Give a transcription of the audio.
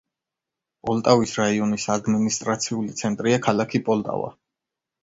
პოლტავის რაიონის ადმინისტრაციული ცენტრია ქალაქი პოლტავა.